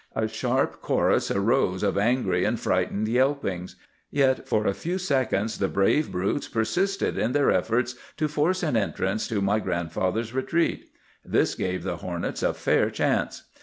A sharp chorus arose of angry and frightened yelpings. Yet for a few seconds the brave brutes persisted in their efforts to force an entrance to my grandfather's retreat. This gave the hornets a fair chance.